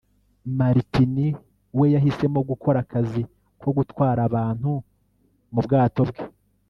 Maritini we yahisemo gukora akazi ko gutwara abantu mu bwato bwe